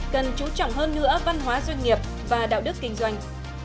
cần chú trọng hơn nữa văn hóa doanh nghiệp và đạo đức kinh doanh